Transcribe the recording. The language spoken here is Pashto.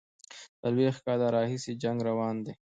څلوېښت کاله راهیسي جنګ روان دی.